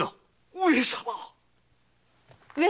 ・上様。